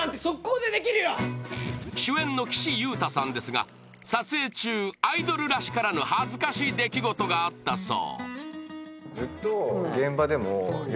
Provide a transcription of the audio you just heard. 主演の岸優太さんですが、撮影中アイドルらしからぬ恥ずかしい出来事があったそう。